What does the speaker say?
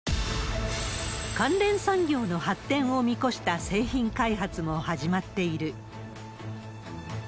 関連産業の発展を見越した製品開発も始まっている。